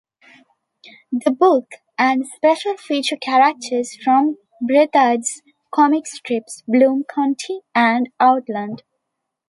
The book and special feature characters from Breathed's comic strips "Bloom County" and "Outland".